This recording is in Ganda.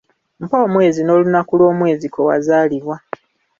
Mpa omwezi n’olunaku lw'omwezi kwe wazaalibwa.